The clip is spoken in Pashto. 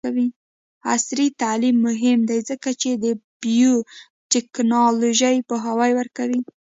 عصري تعلیم مهم دی ځکه چې د بایوټیکنالوژي پوهاوی ورکوي.